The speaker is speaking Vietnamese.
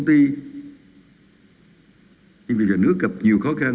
thuê vốn cơ cấu lại doanh nghiệp nhà nước chưa cao